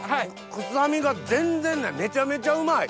臭みが全然ないめちゃめちゃうまい！